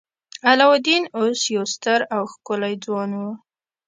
علاوالدین اوس یو ستر او ښکلی ځوان و.